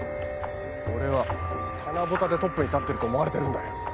俺は棚ぼたでトップに立ってると思われてるんだよ。